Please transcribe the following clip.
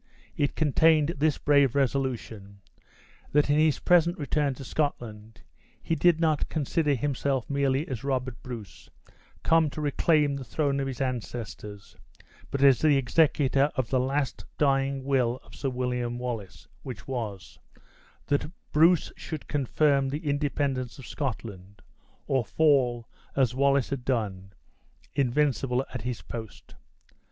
It contained this brave resolution that, in his present return to Scotland, he did not consider himself merely as Robert Bruce, come to reclaim the throne of his ancestors, but as the executor of the last dying will of Sir William Wallace, which was that Bruce should confirm the independence of Scotland, or fall, as Wallace had done, invincible at his post.